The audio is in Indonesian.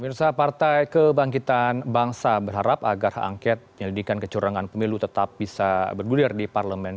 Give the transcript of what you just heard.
mirsa partai kebangkitan bangsa berharap agar angket penyelidikan kecurangan pemilu tetap bisa bergulir di parlemen